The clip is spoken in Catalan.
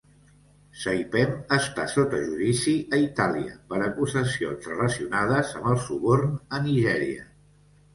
Saipem està sota judici a Itàlia per acusacions relacionades amb el suborn a Nigèria.